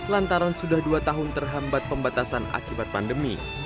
lantaran sudah dua tahun terhambat pembatasan akibat pandemi